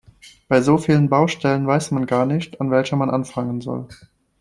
Bei so vielen Baustellen weiß man gar nicht, an welcher man anfangen soll.